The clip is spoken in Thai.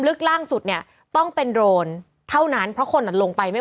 ล่างสุดเนี่ยต้องเป็นโรนเท่านั้นเพราะคนอ่ะลงไปไม่